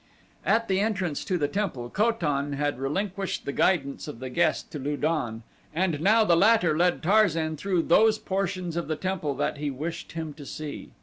At the entrance to the temple Ko tan had relinquished the guidance of the guest to Lu don and now the latter led Tarzan through those portions of the temple that he wished him to see.